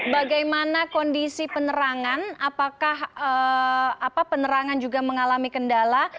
bagaimana kondisi penerangan apakah penerangan juga mengalami kendala